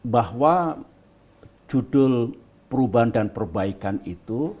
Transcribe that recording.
bahwa judul perubahan dan perbaikan itu